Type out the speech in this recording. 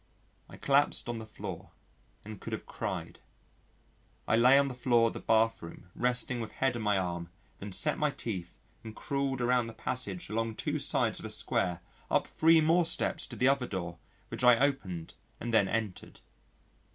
I collapsed on the floor and could have cried. I lay on the floor of the bathroom resting with head on my arm, then set my teeth and crawled around the passage along two sides of a square, up three more steps to the other door which I opened and then entered.